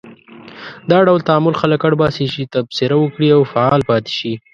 دا ډول تعامل خلک اړ باسي چې تبصره وکړي او فعال پاتې شي.